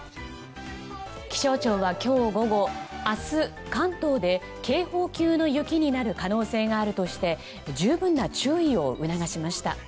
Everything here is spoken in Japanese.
気象庁は今日午後明日、関東で警報級の雪になる可能性があるとして十分な注意を促しました。